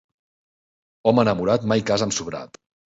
Home enamorat mai casa amb sobrat.